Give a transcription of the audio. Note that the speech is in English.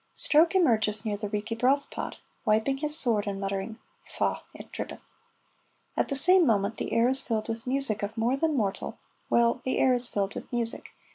Stroke emerges near the Reekie Broth Pot, wiping his sword and muttering, "Faugh! it drippeth!" At the same moment the air is filled with music of more than mortal well, the air is filled with music.